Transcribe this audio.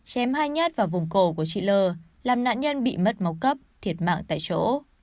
chém hai nhát vào vùng cổ của chị l làm nạn nhân bị mất máu cấp thiệt mạng tại chỗ